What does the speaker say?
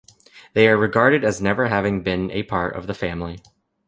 They are regarded as never having even been a part of the family.